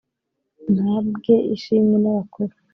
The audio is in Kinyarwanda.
mpabwe ishimwe n'abakuru